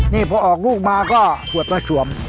นี่พอออกลูกมาก็ขวดมาสวม